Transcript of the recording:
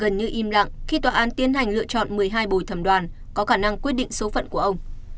gần như im lặng khi tòa án tiến hành lựa chọn một mươi hai bồi thẩm đoàn có khả năng quyết định số phận của ông